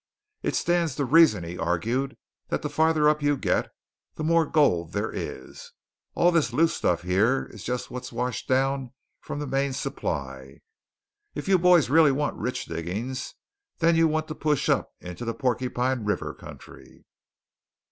"It stands to reason," he argued, "that the farther up you git, the more gold there is. All this loose stuff yere is just what washed down from the main supply. If you boys reely wants rich diggings, then you want to push up into the Porcupine River country."